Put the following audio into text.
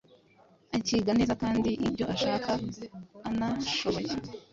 akiga neza kandi ibyo ashaka anashoboye.